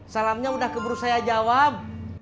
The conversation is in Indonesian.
salamnya udah keburu saya jawab